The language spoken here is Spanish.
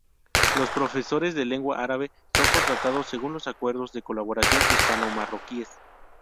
Los profesores de Lengua Árabe son contratados según los acuerdos de colaboración hispano-marroquíes.